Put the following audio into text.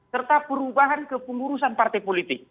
serta perubahan kepengurusan partai politik